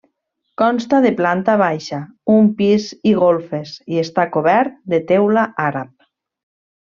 Consta de planta baixa, un pis i golfes i està cobert de teula àrab.